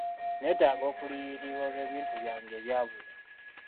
Neetaaga okuliyirirwa olw'ebintu byange ebyabula.